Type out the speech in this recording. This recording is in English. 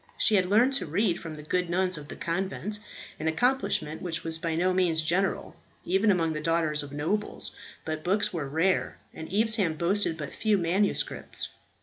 She had learnt to read from the good nuns of the convent an accomplishment which was by no means general, even among the daughters of nobles; but books were rare, and Evesham boasted but few manuscripts.